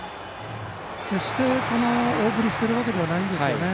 決して大振りしているわけではないんですよね。